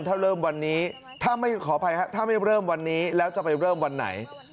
ถ้าเริ่มวันนี้ถ้าไม่เริ่มวันนี้แล้วจะไปเริ่มวันไหน